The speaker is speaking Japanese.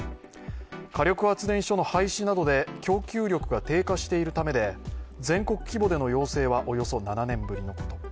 火力発電所の廃止などで供給力が低下しているためで、全国規模での要請はおよそ７年ぶりのこと。